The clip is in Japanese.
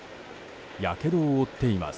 やけどを負っています。